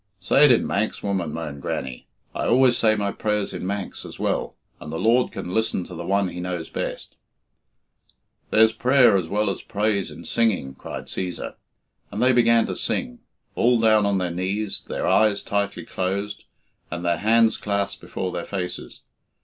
"Say it in Manx, woman," moaned Grannie. "I always say my prayers in Manx as well, and the Lord can listen to the one He knows best." "There's prayer as well as praise in singing," cried Cæsar; and they began to sing, all down on their knees, their eyes tightly closed, and their hands clasped before their faces.